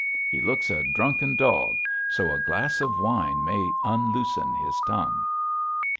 He looks a drunken dog, so a glass of wine may unloosen his tongue.'